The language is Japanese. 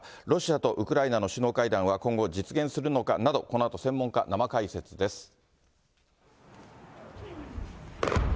ロシアとウクライナの首脳会談は今後、実現するのかなど、このあと専門家、生解説です。